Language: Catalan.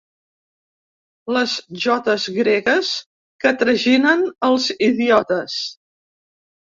Les jotes gregues que traginen els idiotes.